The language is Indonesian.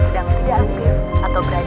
sedang tidak aktif